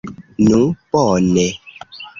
Nu bone!